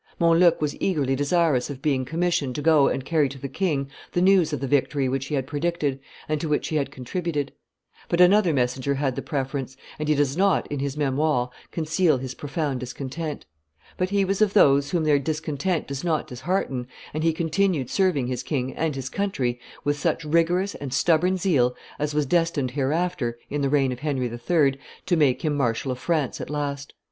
Montluc was eagerly desirous of being commissioned to go and carry to the king the news of the victory which he had predicted and to which he had contributed; but another messenger had the preference; and he does not, in his Memoires, conceal his profound discontent; but he was of those whom their discontent does not dishearten, and he continued serving his king and his country with such rigorous and stubborn zeal as was destined hereafter, in the reign of Henry III., to make him Marshal of France at last.